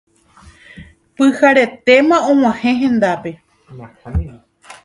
Pyharetéma ag̃uahẽ hendápe